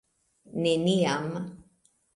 Neniam.